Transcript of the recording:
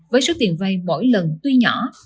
với số tiền vay mỗi lần tuy nhỏ